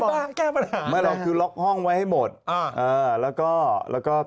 บ้างแก้ประหลาดไม่เราคือล็อกห้องไว้ให้หมดอ่าแล้วก็แล้วก็